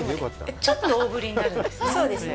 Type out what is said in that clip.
ちょっと大ぶりになるんですね。